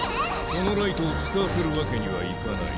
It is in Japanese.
そのライトを使わせるわけにはいかない。